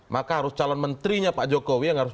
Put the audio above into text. maka harus calon menterinya pak jokowi yang harus